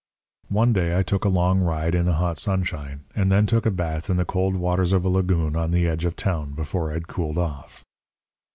"One day I took a long ride in the hot sunshine, and then took a bath in the cold waters of a lagoon on the edge of the town before I'd cooled off.